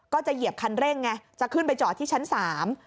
เหยียบคันเร่งไงจะขึ้นไปจอดที่ชั้นสาม